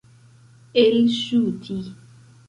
elŝuti